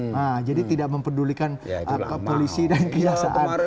nah jadi tidak memperdulikan polisi dan kiasaan